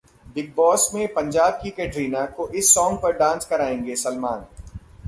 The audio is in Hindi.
बिग बॉस में 'पंजाब की कटरीना' को इस सॉन्ग पर डांस कराएंगे सलमान